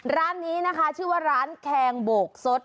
ร้านนี้นะคะชื่อว่าร้านแคงโบกสด